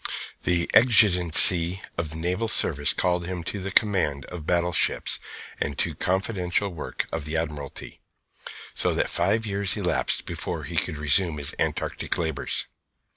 The exigencies of the naval service called him to the command of battleships and to confidential work of the Admiralty; so that five years elapsed before he could resume his Antarctic labours.